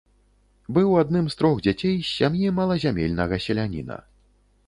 Быў адным з трох дзяцей з сям'і малазямельнага селяніна.